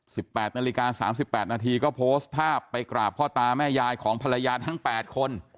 แปดนาฬิกาสามสิบแปดนาทีก็โพสต์ภาพไปกราบพ่อตาแม่ยายของภรรยาทั้งแปดคน